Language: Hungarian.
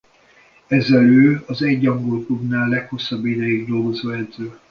Ezzel ő az egy angol klubnál a leghosszabb ideig dolgozó edző.